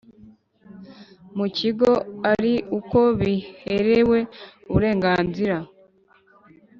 Mu kigo ari uko ibiherewe uburenganzira